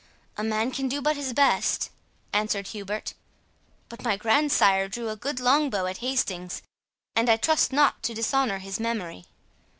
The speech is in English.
"A man can do but his best," answered Hubert; "but my grandsire drew a good long bow at Hastings, and I trust not to dishonour his memory."